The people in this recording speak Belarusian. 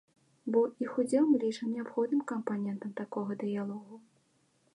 Бо іх удзел мы лічым неабходным кампанентам такога дыялогу.